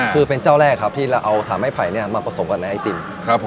คือเป็นเจ้าแรกครับที่เราเอาขาไม้ไผ่มาผสมกันในไอติม